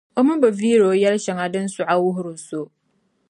O mi bi viiri O yɛli shɛŋa din sɔɣi n-wuhiri so.